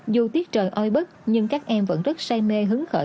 dù tiếc trời oi bất nhưng các em vẫn rất say mê hứng khởi